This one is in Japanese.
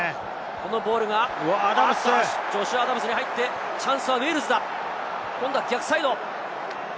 このボールがジョシュ・アダムズに入って、チャンスはウェールズだ！今度は逆サイド。